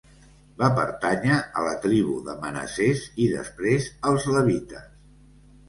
Va pertànyer a la tribu de Manassès i després als Levites.